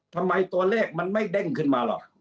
ทำไมตัวเลขมันไม่เด้งขึ้นมาล่ะ